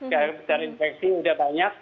kalau terinfeksi sudah banyak